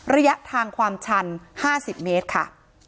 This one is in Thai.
ระยะทางความชัน๕๐เมตรค่ะ